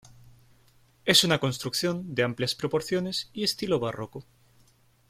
Es una construcción de amplias proporciones y estilo barroco.